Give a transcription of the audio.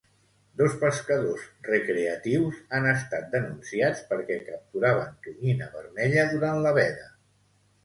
Dos pescadors recreatius han estat denunciats perquè capturaven tonyina vermella durant la veda.